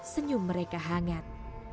senyum mereka hangat